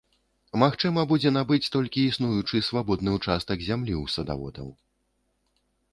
Магчыма будзе набыць толькі існуючы свабодны ўчастак зямлі ў садаводаў.